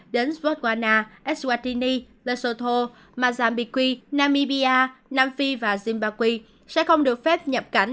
đến botswana eswatini lesotho mozambique namibia nam phi và zimbabwe sẽ không được phép nhập cảnh